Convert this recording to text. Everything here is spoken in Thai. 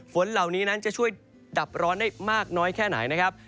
ฝนเหล่านี้นั้นจะช่วยดับร้อนได้มากน้อยแค่ไหนนะครับ